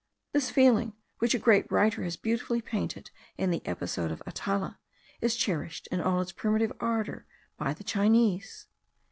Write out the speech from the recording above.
This feeling, which a great writer has beautifully painted in the episode of Atala, is cherished in all its primitive ardour by the Chinese.